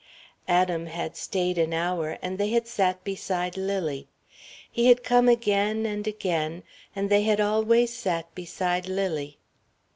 Adam had stayed an hour, and they had sat beside Lily. He had come again and again, and they had always sat beside Lily.